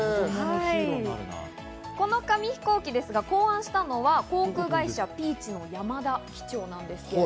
この紙ひこうきですが、考案したのは航空会社・Ｐｅａｃｈの山田機長なんです。